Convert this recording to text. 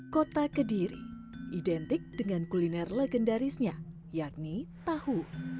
kota kediri identik dengan kuliner legendarisnya yakni tahu